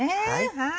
はい。